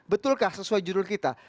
betulkah sesuai judul kita